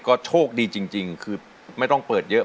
ก็โชคดีจริงคือไม่ต้องเปิดเยอะ